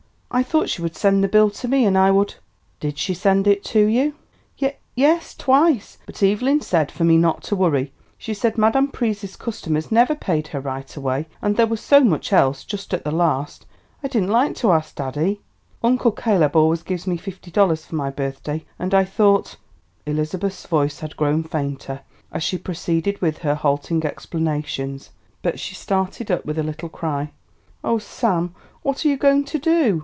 I thought she would send the bill to me, and I would " "Did she send it to you?" "Y yes, twice. But Evelyn said for me not to worry. She said Madame Pryse's customers never paid her right away, and there was so much else just at the last, I didn't like to ask daddy; Uncle Caleb always gives me fifty dollars for my birthday, and I thought " Elizabeth's voice had grown fainter as she proceeded with her halting explanations. But she started up with a little cry, "Oh, Sam! what are you going to do?"